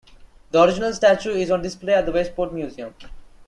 The original statue is on display at the Westport museum.